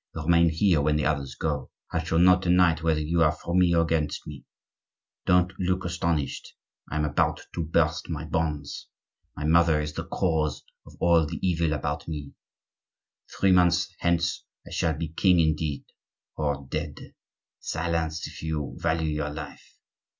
Remain here when the others go. I shall know to night whether you are for me or against me. Don't look astonished. I am about to burst my bonds. My mother is the cause of all the evil about me. Three months hence I shall be king indeed, or dead. Silence, if you value your life!